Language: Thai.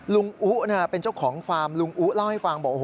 ลุงอุ๊เป็นเจ้าของฟาร์มลุงอุ๊เล่าให้ฟังบอก